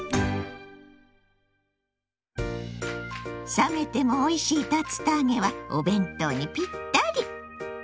冷めてもおいしい竜田揚げはお弁当にピッタリ。